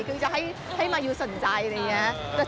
คือจะให้มายูสนใจอะไรอย่างนี้